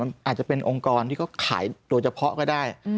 เพราะงั้นอังกษ์การที่ขายโดยเฉพาะก็ได้